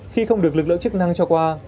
khi không được lực lượng chức năng cho qua